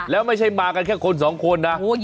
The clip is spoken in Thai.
แล้วไม่ใช่มากันแค่คนสองคนนะ